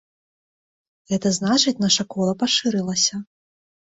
Гэта значыць, наша кола пашырылася.